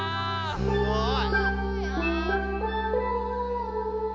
すごい！